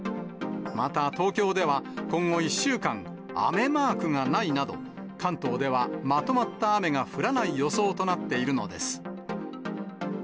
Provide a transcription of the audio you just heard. また東京では今後１週間、雨マークがないなど、関東ではまとまった雨が降らない予想となっているのです。